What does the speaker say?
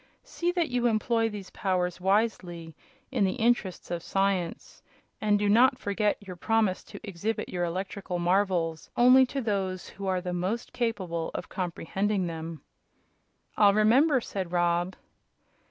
See that you employ these powers wisely, in the interests of science, and do not forget your promise to exhibit your electrical marvels only to those who are most capable of comprehending them." "I'll remember," said Rob.